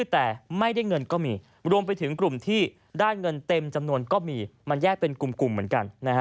ถ้าเงินเต็มจำนวนก็มีมันแยกเป็นกลุ่มเหมือนกัน